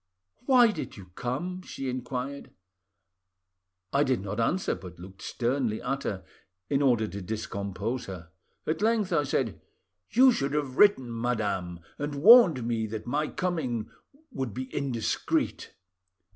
"'Why did you come?' she inquired. "I did not answer, but looked sternly at her, in order to discompose her. At length I said— "'You should have written, madame, and warned me that my coming would be indiscreet.